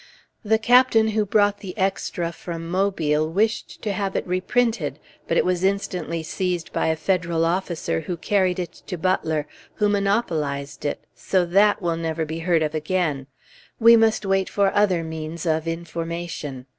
The captain who brought the extra from Mobile wished to have it reprinted, but it was instantly seized by a Federal officer, who carried it to Butler, who monopolized it; so that will never be heard of again; we must wait for other means of information.